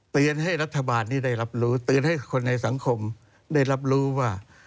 ให้รัฐบาลนี้ได้รับรู้เตือนให้คนในสังคมได้รับรู้ว่า